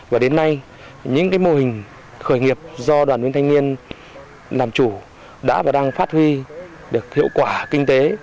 và đến nay những mô hình khởi nghiệp do đoàn viên thanh niên làm chủ đã và đang phát huy được hiệu quả kinh tế